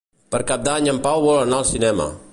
Per Cap d'Any en Pau vol anar al cinema.